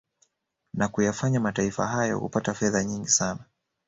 Na kuyafanya mataifa hayo kupata fedha nyingi sana